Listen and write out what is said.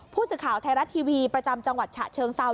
ผู้สื่อข่าวไทยรัฐทีวีประจำจังหวัดฉะเชิงเซา